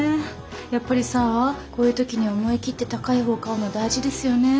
やっぱりさこういう時には思い切って高い方買うの大事ですよね。